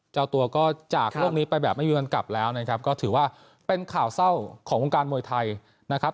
เจ้าตัวก็จากโลกนี้ไปแบบไม่มีวันกลับแล้วนะครับก็ถือว่าเป็นข่าวเศร้าของวงการมวยไทยนะครับ